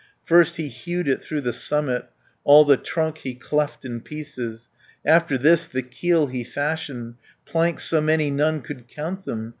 First he hewed it through the summit, All the trunk he cleft in pieces, After this the keel he fashioned, Planks so many none could count them.